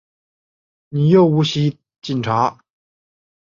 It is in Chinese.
你又唔系警察！